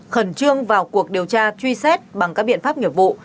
khẩn trương vào cuộc điều tra truy xét bằng các biện pháp nghiệp vụ